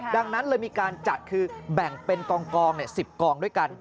ดังนั้นเลยมีการจัดคือแบ่งเป็นกอง๑๐กองด้วยกัน